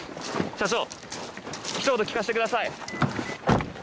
社長、ひと言聞かせてください。